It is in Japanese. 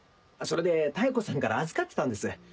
それで妙子さんから預かってたんです。